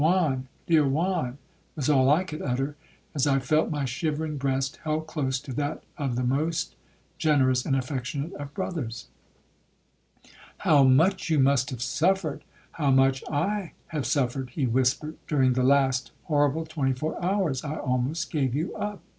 'Juan, dear Juan,' was all I could utter, as I felt my shivering breast held close to that of the most generous and affectionate of brothers. 'How much you must have suffered,—how much I have suffered,' he whispered; 'during the last horrible twenty four hours, I almost gave you up.